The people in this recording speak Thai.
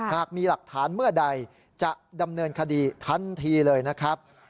หากมีหลักฐานเมื่อใดจะดำเนินคดีทันทีเลยนะครับ